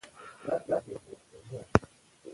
د کورني نظم ساتنه د ټولو مسئولیت دی.